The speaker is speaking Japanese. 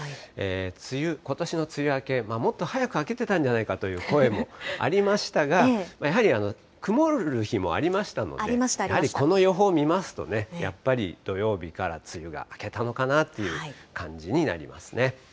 梅雨、ことしの梅雨明け、もっと早く明けてたんじゃないかという声もありましたが、やはり曇る日もありましたので、やはりこの予報見ますとね、やっぱり土曜日から梅雨が明けたのかなという感じになりますね。